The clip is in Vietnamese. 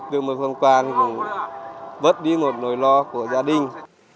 được một phần quà thì mình bớt đi một nỗi lo của gia đình